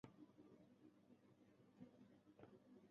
父亲是海员。